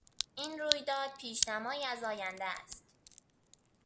این رویداد پیشنمایی از آینده است.